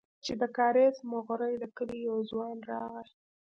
چې د کاريز موغري د کلي يو ځوان راغى.